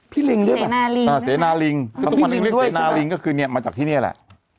พี่ลิงด้วยป่ะเสนาลิงเสนาลิงก็คือมาจากที่นี่แหละ